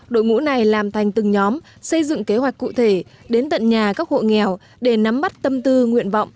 đội ngũ này làm thành từng nhóm xây dựng kế hoạch cụ thể đến tận nhà các hộ nghèo để nắm bắt tâm tư nguyện vọng